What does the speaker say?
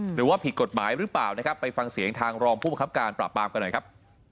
หรือว่าผิดกฎหมายหรือเปล่านะครับไปฟังเสียงทางรองผู้ประคับการปราบปรามกันหน่อยครับ